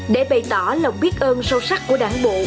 để bày tỏ lòng biết ơn sâu sắc của đảng bộ